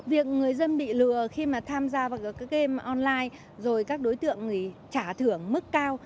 việc người dân bị lừa khi mà tham gia vào các game online rồi các đối tượng trả thưởng mức cao